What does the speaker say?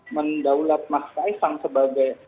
mendaulat mas kaesang sebagai